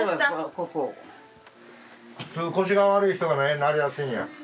普通腰が悪い人がなりやすいんや。